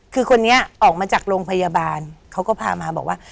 คือคนนี้ออกมาจากโรงพยาบาลเขาก็พามาบอกว่า